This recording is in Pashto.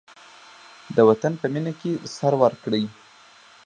د وطن په مینه کې سر ورکړئ.